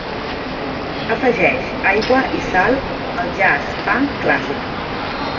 afegeix aigua i sal al jazz funk clàssic